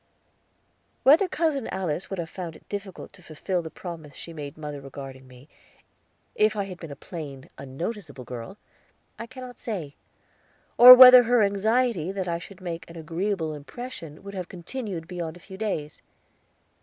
Whether Cousin Alice would have found it difficult to fulfill the promise she made mother regarding me, if I had been a plain, unnoticeable girl, I cannot say, or whether her anxiety that I should make an agreeable impression would have continued beyond a few days.